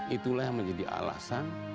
itulah yang menjadi alasan